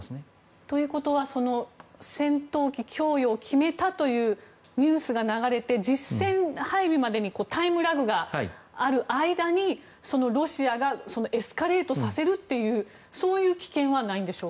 ということは戦闘機供与を決めたというニュースが流れて実戦配備までにタイムラグがある間にロシアがエスカレートさせる危険はないんでしょうか。